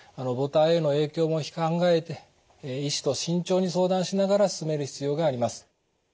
母体への影響も考えて医師と慎重に相談しながら進める必要があります。